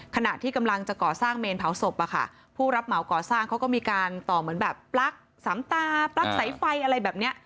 ขณะที่กำลังจะก่อสร้างเมนเผาศพอะค่ะผู้รับเหมาก่อสร้างเขาก็มีการต่อเหมือนแบบปลั๊กสามตาปลั๊กสายไฟอะไรแบบเนี้ย